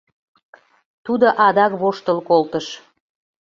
Тудо адак воштыл колтыш.